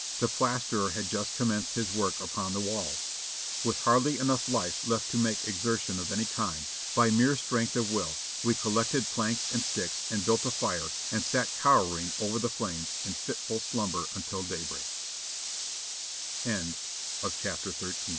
The plasterer had just commenced his work upon the walls. With hardly enough life left to make exertion of any kind, by mere strength of will we collected planks and sticks and built a fire and sat cowering over the flames in fitful slumbe